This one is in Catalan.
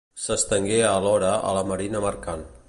S'estengué alhora a la marina mercant.